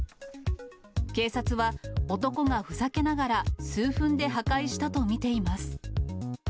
警察は、男がふざけながら数分で破壊したと見ています。